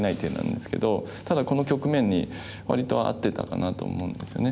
ただこの局面に割と合ってたかなと思うんですよね。